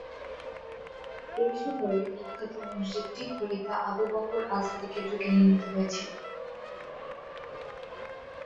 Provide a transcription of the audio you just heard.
এই শহরের বিখ্যাত মসজিদটি খলিফা আবু বকর আল-সাদিকের যুগে নির্মিত হয়েছিল।